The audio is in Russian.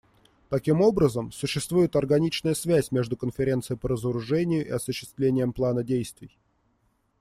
Таким образом, существует органичная связь между Конференцией по разоружению и осуществлением плана действий.